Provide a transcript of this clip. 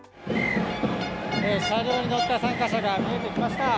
車両に乗った参加者が見えてきました。